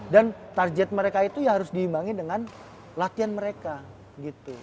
dan target mereka itu ya harus diimbangi dengan latihan mereka gitu